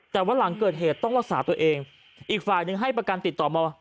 แต่ว่าหลังเกิดเหตุต้องรักษาตัวเองอีกฝ่ายหนึ่งให้ประกันติดต่อมา